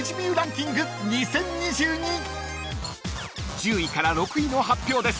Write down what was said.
［１０位から６位の発表です］